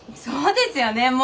そうですよね